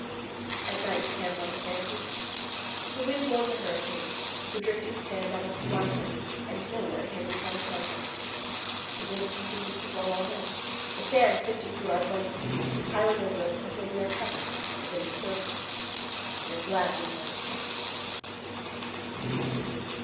At night we camp on a sand beach. The wind blows a hurricane; the drifting sand almost blinds us; and nowhere can we find shelter. The wind continues to blow all night, the sand sifting through our blankets 198 8 CANYONS OF THE COLORADO. and piling over us until we are covered as in a snowdrift. We are glad when morning comes.